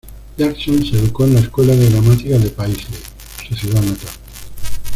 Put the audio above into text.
Jackson se educó en la Escuela de Gramática de Paisley, su ciudad natal.